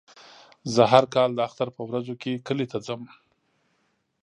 زه هر کال د اختر په ورځو کې کلي ته ځم.